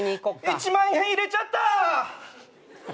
一万円入れちゃった！